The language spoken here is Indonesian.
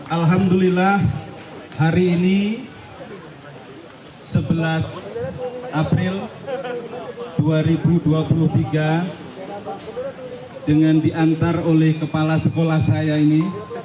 alhamdulillah hari ini sebelas april dua ribu dua puluh tiga dengan diantar oleh kepala sekolah saya ini